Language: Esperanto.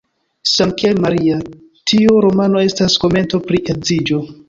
Samkiel "Maria", tiu romano estas komento pri edziĝo.